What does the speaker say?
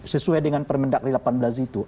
sesuai dengan permendakri dua ribu delapan belas itu